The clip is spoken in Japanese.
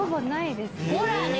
ほらね！